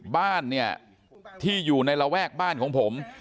บ้านเนี่ยที่อยู่ในระแวกบ้านของผม